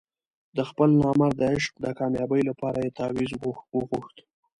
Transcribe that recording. د خپل نامراده عشق د کامیابۍ لپاره یې تاویز وغوښت.